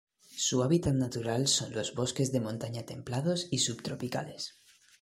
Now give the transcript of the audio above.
Su hábitat natural son los bosques de montaña templados y subtropicales.